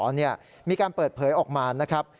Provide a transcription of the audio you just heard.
มีการเปิดเผยออกมานะครับ